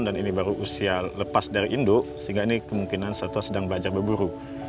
dan ini baru usia lepas dari induk sehingga ini kemungkinan satwa sedang belajar berburu